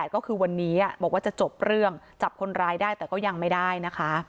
ก็คือวันนี้บอกว่าจะจบเรื่องจับคนร้ายได้แต่ก็ยังไม่ได้นะคะ